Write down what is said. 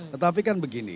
tetapi kan begini